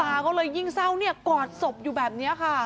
คุณตาก็เลยยิ่งเศร้ากอดศพอยู่แบบนี้ค่ะ